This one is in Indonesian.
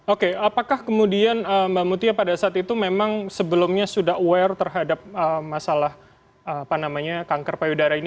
oke apakah kemudian mbak mutia pada saat itu memang sebelumnya sudah aware terhadap masalah kanker payudara ini